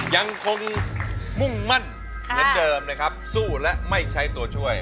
ยังคงมุ่งมั่นเหมือนเดิมนะครับสู้และไม่ใช้ตัวช่วย